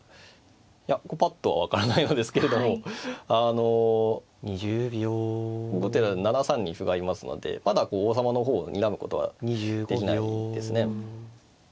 いやぱっとは分からないのですけれどもあの後手７三に歩がいますのでまだこう王様の方をにらむことはできないですね。